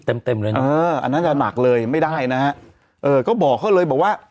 เต็มเต็มเลยนะเอออันนั้นจะหนักเลยไม่ได้นะฮะเออก็บอกเขาเลยบอกว่า